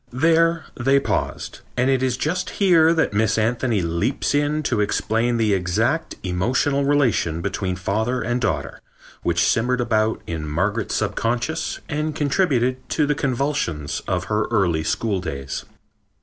There they paused, and it is just here that Miss Anthony leaps in to explain the exact emotional relation between father and daughter which simmered about in Margaret's subconsciousness and contributed to the convulsions of her early schooldays.